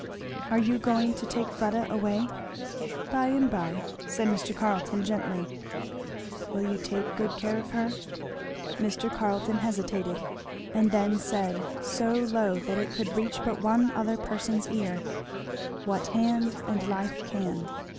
"Are you going to take Fleda away?" "By and by," said Mr. Carleton gently. "Will you take good care of her?" Mr. Carleton hesitated, and then said, so low that it could reach but one other person's ear, "What hand and life can."